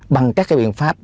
bằng các cái biện pháp